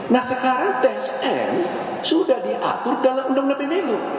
nah sekarang tsn sudah diatur dalam undang undang pemilu